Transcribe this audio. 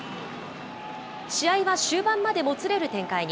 試合は終盤までもつれる展開に。